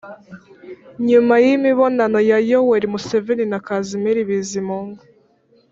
nyuma y'imibonano ya yoweri museveni na kazimiri bizimungu,